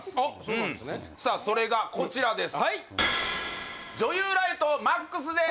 それがこちらです